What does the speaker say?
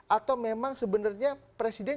atau memang sebenarnya presiden